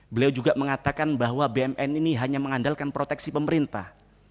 beliau juga mengatakan bahwa bmn ini hanya mengandalkan proteksi pemerintah